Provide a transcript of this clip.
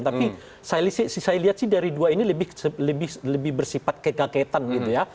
tapi saya lihat sih dari dua ini lebih bersifat kegagetan gitu ya